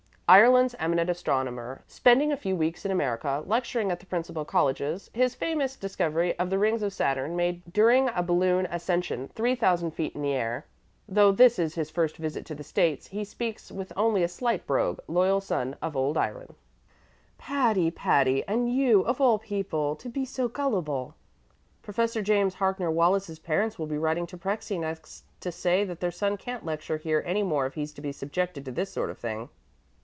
Ireland's eminent astronomer spending a few weeks in America lecturing at the principal colleges His famous discovery of the rings of Saturn made during a balloon ascension three thousand feet in the air Though this is his first visit to the States, he speaks with only a slight brogue Loyal son of old Erin "Patty, Patty! And you, of all people, to be so gullible!" "Professor James Harkner Wallis's parents will be writing to Prexy next to say that their son can't lecture here any more if he is to be subjected to this sort of thing."